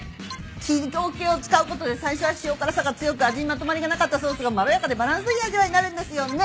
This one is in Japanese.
木おけを使うことで最初は塩辛さが強く味にまとまりがなかったソースがまろやかでバランスのいい味わいになるんですよね？